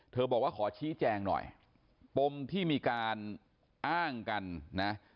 บอกว่าขอชี้แจงหน่อยปมที่มีการอ้างกันนะ